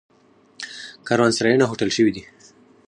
کاروانسرایونه هوټل شوي دي.